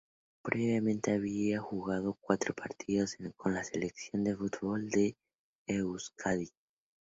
Previamente, había jugado cuatro partidos con la selección de fútbol de Euskadi.